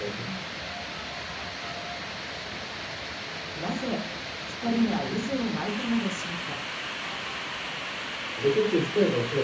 なぜ光が渦を巻いたのでしょうか。